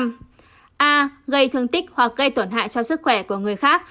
a gây thương tích hoặc gây tổn hại cho sức khỏe của người khác